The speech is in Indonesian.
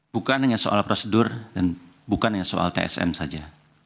bukan hanya soal prosedur dan bukan hanya soal tsm saja